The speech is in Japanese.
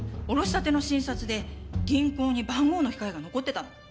下ろしたての新札で銀行に番号の控えが残ってたの。